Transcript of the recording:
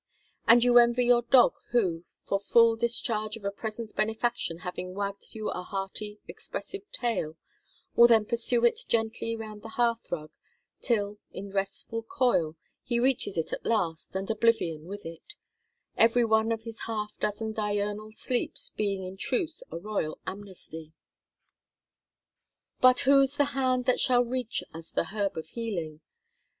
And you envy your dog who, for full discharge of a present benefaction having wagged you a hearty, expressive tail, will then pursue it gently round the hearth rug till, in restful coil, he reaches it at last, and oblivion with it; every one of his half dozen diurnal sleeps being in truth a royal amnesty. But whose the hand that shall reach us the herb of healing?